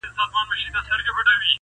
پټ راته مغان په لنډه لار کي راته وویل !